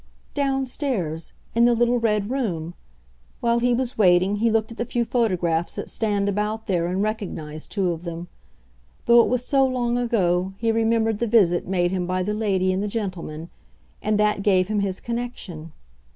"Downstairs in the little red room. While he was waiting he looked at the few photographs that stand about there and recognised two of them. Though it was so long ago, he remembered the visit made him by the lady and the gentleman, and that gave him his connexion.